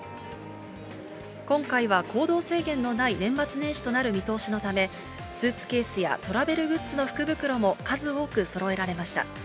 今回は行動制限のない年末年始となる見通しのため、スーツケースやトラベルグッズの福袋も数多くそろえられました。